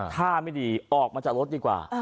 ท่าไม่ดีออกมาจากรถดีกว่า